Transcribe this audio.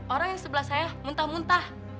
orang yang sebelah saya muntah muntah